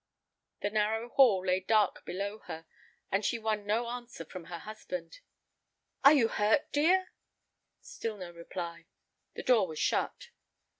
The narrow hall lay dark below her, and she won no answer from her husband. "Are you hurt, dear?" Still no reply; the door was shut.